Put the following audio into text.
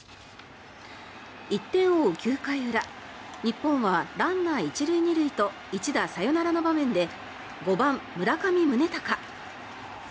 １点を追う９回日本はランナー１塁２塁と一打サヨナラの場面で５番、村上宗隆！